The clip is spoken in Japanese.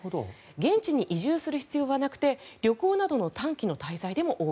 現地に移住する必要はなくて旅行などの短期の滞在でもＯＫ。